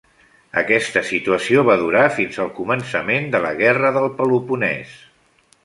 Aquesta situació va durar fins al començament de la guerra del Peloponès.